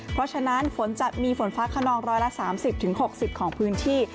เพราะฉะนั้นฝนจะมีฝนฟ้าขนองร้อยละ๓๐๖๐ของพื้นที่